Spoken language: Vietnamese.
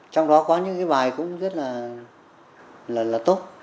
trong đó có những cái bài cũng rất là tốt